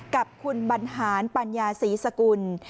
กับคุณบรรหารปัญญาศรีสกุล